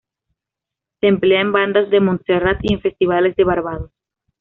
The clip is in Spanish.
Se emplea en bandas de Montserrat y en festivales de Barbados.